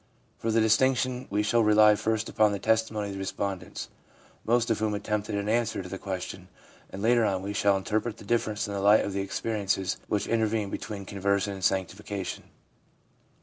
For the dis tinction we shall rely first upon the testimony of the respondents, most of whom attempted an answer to the question, and later on we shall interpret the difference in the light of the experiences which intervene between conversion and sanctification.